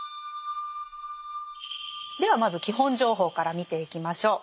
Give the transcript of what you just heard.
ではまず基本情報から見ていきましょう。